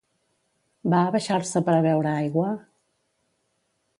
Va abaixar-se per a beure aigua?